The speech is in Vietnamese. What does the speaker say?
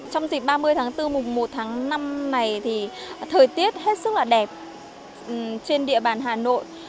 trong dịp ba mươi tháng bốn mùng một tháng năm này thì thời tiết hết sức là đẹp trên địa bàn hà nội